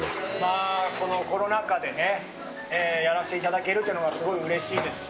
このコロナ禍でやらせていただけるのがすごいうれしいですし。